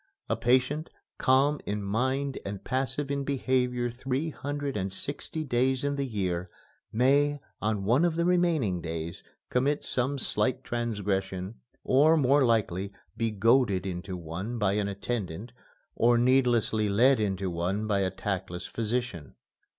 A patient, calm in mind and passive in behavior three hundred and sixty days in the year, may, on one of the remaining days, commit some slight transgression, or, more likely, be goaded into one by an attendant or needlessly led into one by a tactless physician.